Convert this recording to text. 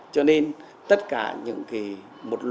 cho nên tất cả những cái một loạt những cái ung thư máu ở trẻ em